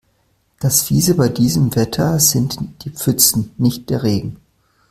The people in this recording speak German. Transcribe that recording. Das Fiese bei diesem Wetter sind die Pfützen, nicht der Regen.